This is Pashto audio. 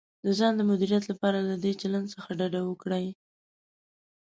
د ځان د مدیریت لپاره له دې چلند څخه ډډه وکړئ: